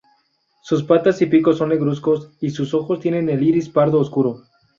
Sus patas y pico son negruzcos y sus ojos tienen el iris pardo oscuro.